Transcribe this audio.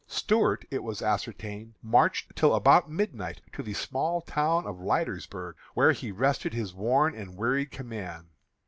Stuart, it was ascertained, marched till about midnight to the small town of Leitersburgh, where he rested his worn and wearied command.